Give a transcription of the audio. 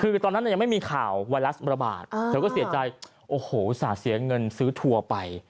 คือตอนนั้นยังไม่มีข่าวไวรัสระบาดเธอก็เสียใจโอ้โหอุตส่าห์เสียเงินซื้อทัวร์ไป